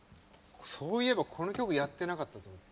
そういえばこの曲やってなかったと思って。